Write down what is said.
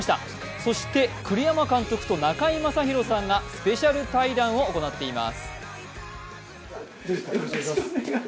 そして栗山監督と中居正広さんがスペシャル対談を行っています。